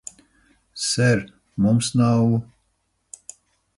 Ser, mums nav...